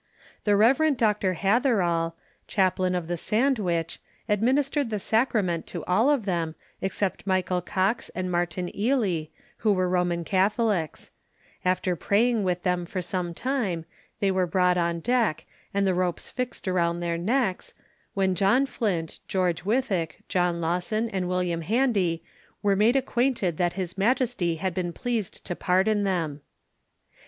The Rev. Dr. Hatherall, chaplain of the Sandwich, administered the sacrament to all of them, except Michael Cox and Martin Ealey, who were Roman Catholics; after praying with them for some time, they were brought on deck, and the ropes fixed around their necks, when John Flint, George Wythick, John Lawson, and William Handy were made acquainted that His Majesty had been pleased to pardon them.